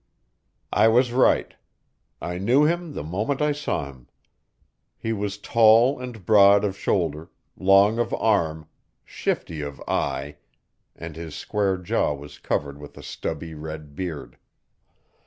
I was right. I knew him the moment I saw him. He was tall and broad of shoulder, long of arm, shifty of eye, and his square jaw was covered with a stubby red beard.